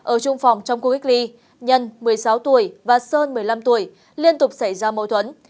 ở trung phòng trong khu cách ly nhân một mươi sáu tuổi và sơn một mươi năm tuổi liên tục xảy ra mâu thuẫn